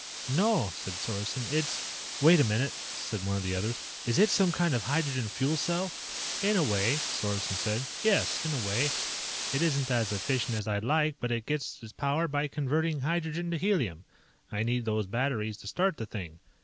"No," said Sorensen. "It's " "Wait a minute," said one of the others, "is it some kind of hydrogen fuel cell?" "In a way," Sorensen said. "Yes, in a way. It isn't as efficient as I'd like, but it gets its power by converting hydrogen to helium. I need those batteries to start the thing.